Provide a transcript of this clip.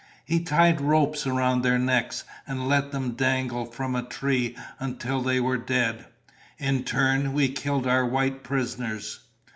He tied ropes around their necks and let them dangle from a tree until they were dead. In turn, we killed our white prisoners."